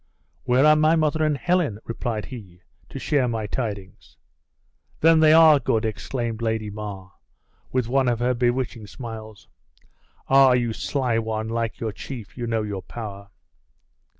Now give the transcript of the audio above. "Where are my mother and Helen," replied he, "to share my tidings?" "Then they are good!" exclaimed lady mar, with one of her bewitching smiles. "Ah! you sly one, like your chief, you know your power!"